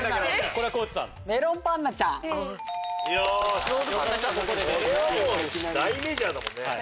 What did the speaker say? これは大メジャーだもんね。